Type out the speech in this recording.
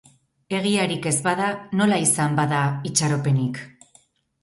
Egiarik ez bada, nola izan, bada, itxaropenik...?